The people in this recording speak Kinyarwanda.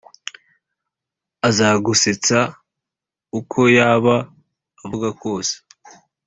azagusetsa uko yaba avuga kose.